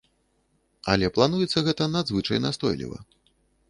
Але плануецца гэта надзвычай настойліва.